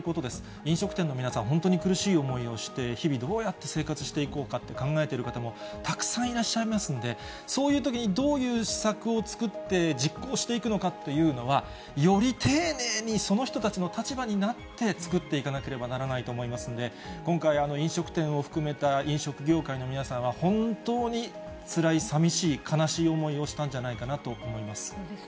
飲食店の皆さん、本当に苦しい思いをして、日々、どうやって生活していこうかって考えてる方もたくさんいらっしゃいますんで、そういうときに、どういう施策を作って実行していくのかというのは、より丁寧にその人たちの立場になって作っていかなければならないと思いますんで、今回、飲食店を含めた飲食業界の皆さんは、本当につらい、さみしい、悲しい思いをしたんじゃないかなと思います。